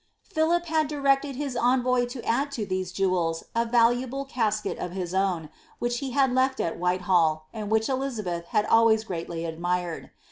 "* Philip had directed his envoy to add to these jewels a valuable casket of his own, which he had left at Wliitehall, ind which Klizabeth had always greatly admired.